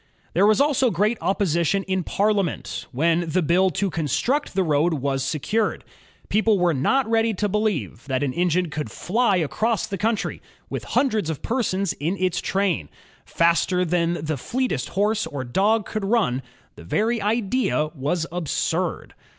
There was also great opposition in Parliament when the bill to construct the road was secured. People were not ready to believe that an engine could fly across the country, with hundreds of persons in its train, faster than the fleetest horse or dog could nm. The very idea was absurd.